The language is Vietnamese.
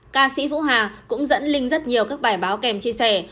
ca sĩ vũ hà cũng dẫn linh rất nhiều các bài báo kèm chia sẻ